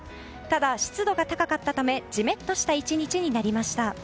ただ、湿度が高かったためじめっとした１日になりました。